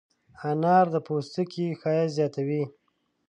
انار د پوستکي ښایست زیاتوي.